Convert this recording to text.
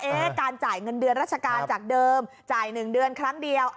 การจ่ายเงินเดือนราชการจากเดิมจ่าย๑เดือนครั้งเดียว